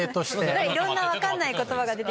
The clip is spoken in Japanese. いろんな分かんない言葉が出て来てる。